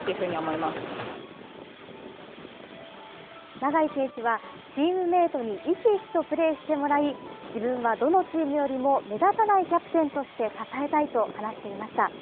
永井選手は、チームメートに生き生きとプレーしてもらい、自分はどのチームよりも目立たないキャプテンとして支えたいと話していました。